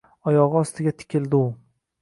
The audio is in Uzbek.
Oyog’i ostiga tikildi u.